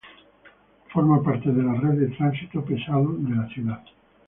Forma parte de la red de Tránsito Pesado de la ciudad.